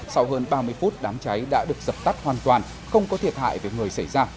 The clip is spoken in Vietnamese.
sau hơn ba mươi phút đám cháy đã được dập tắt hoàn toàn không có thiệt hại về người xảy ra